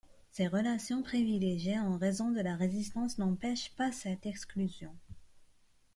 Ses relations privilégiées en raison de la Résistance n'empêchent pas cette exclusion.